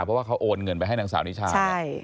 เพราะว่าเขาโอนเงินไปให้นางสาวนิชาเนี่ย